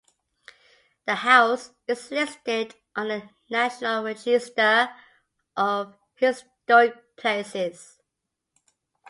The house is listed on the National Register of Historic Places.